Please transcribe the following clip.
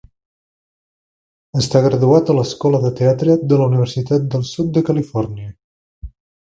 Està graduat a l'Escola de Teatre de la Universitat del Sud de Califòrnia.